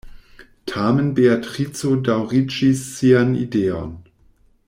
Tamen Beatrico daŭriĝis sian ideon.